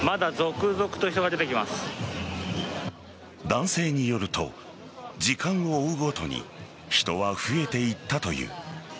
男性によると時間を追うごとに人は増えていったという。